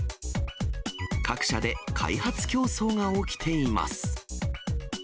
各社で開発競争が起きています。